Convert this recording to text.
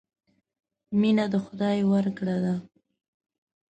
مینه د خدای ورکړه ده.